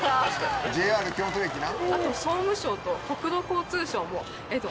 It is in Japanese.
ＪＲ京都駅な。